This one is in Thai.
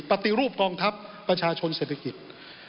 ปฏิรูปกองทัพประชาชนเศรษฐกิจ